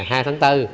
ngày hai tháng bốn